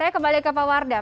kemudian ke pak wardah